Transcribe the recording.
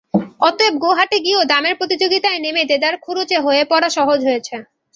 অতএব গো-হাটে গিয়েও দামের প্রতিযোগিতায় নেমে দেদার খরুচে হয়ে পড়া সহজ হয়েছে।